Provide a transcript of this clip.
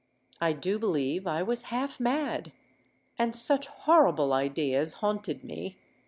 I do believe I was half mad. And such horrible ideas haunted me!